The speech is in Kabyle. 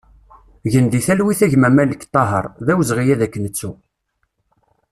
Gen di talwit a gma Malek Tahaṛ, d awezɣi ad k-nettu!